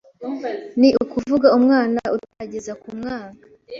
ni ukuvuga umwana utarageza ku mwaka